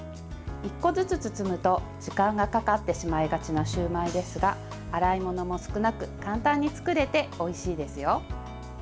１個ずつ包むと時間がかかってしまいがちなシューマイですが洗い物も少なく簡単に作れておいしいですよ。